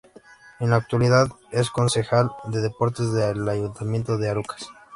En la actualidad es concejal de deportes del ayuntamiento de Arucas.